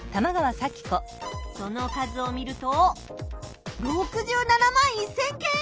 その数を見ると６７万１，０００件！